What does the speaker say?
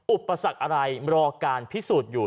อุปสรรคอะไรรอการพิสูจน์อยู่